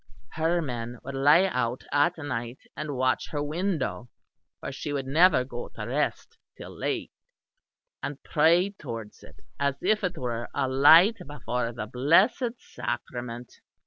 Her men would lie out at night and watch her window (for she would never go to rest till late), and pray towards it as if it were a light before the blessed sacrament.